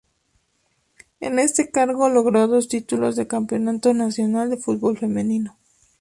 En este cargo logró dos títulos del Campeonato Nacional de Fútbol Femenino.